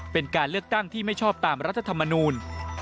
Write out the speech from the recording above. เป็นการเลือกตั้งที่ไม่ชอบตามรัฐธรรมนูล